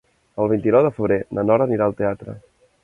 El vint-i-nou de febrer na Nora anirà al teatre.